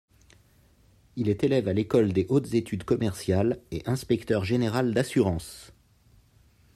Il est élève à l'École des hautes études commerciales et inspecteur général d'assurances.